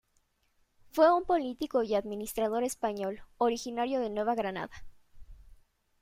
Fue un político y administrador español, originario de Nueva Granada.